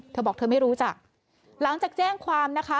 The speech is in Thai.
เธอบอกเธอไม่รู้จักหลังจากแจ้งความนะคะ